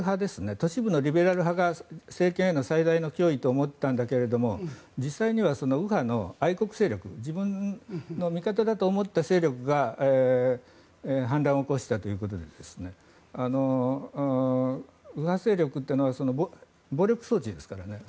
都市部のリベラル派が政権への最大の脅威と思っていたんだけど実際には右派の愛国勢力自分の味方だと思った勢力が反乱を起こしたということで右派勢力というのは暴力装置ですからね。